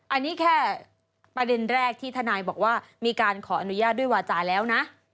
อันนี้แค่ประเด็นแรกที่ทนายบอกว่ามีการขออนุญาตด้วยวาจาแล้วนะ